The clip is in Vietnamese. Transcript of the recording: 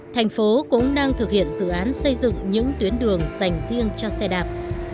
thành phố cũng đang thực hiện dự án xây dựng những tuyến đường dành riêng cho xe đạp